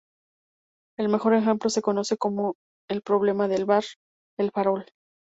El mejor ejemplo se conoce como el problema del bar "El Farol".